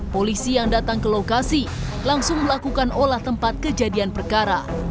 polisi yang datang ke lokasi langsung melakukan olah tempat kejadian perkara